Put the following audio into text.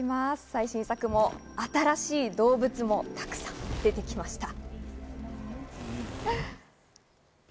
最新作も新しい動物もたくさん出てきました。